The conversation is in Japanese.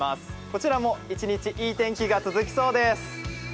こちらも一日、いい天気が続きそうです。